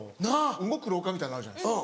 動く廊下みたいなのあるじゃないですか。